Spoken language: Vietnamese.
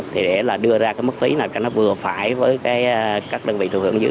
thì để đưa ra mức phí nào cho nó vừa phải với các đơn vị thường hưởng dữ